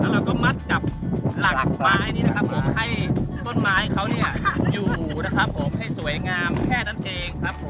แล้วเราก็มัดกับหลักไม้ให้ต้นไม้เขาอยู่ให้สวยงามแค่นั้นเอง